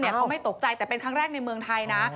เขาไม่ตกใจแต่เป็นครั้งแรกในเมืองไทยนะ